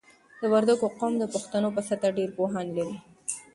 د وردګو قوم د پښتنو په سطحه ډېر پوهان لري.